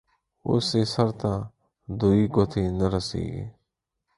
اوس يې سر ته دوې گوتي نه رسېږي.